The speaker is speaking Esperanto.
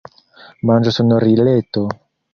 Manĝosonorileto.